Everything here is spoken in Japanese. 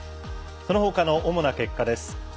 そのほかの主な結果です。